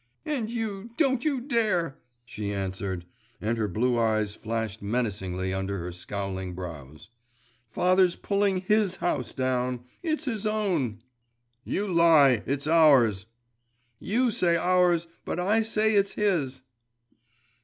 'And you don't you dare!' she answered; and her blue eyes flashed menacingly under her scowling brows. 'Father's pulling his house down. It's his own.' 'You lie: it's ours!' 'You say ours; but I say it's his.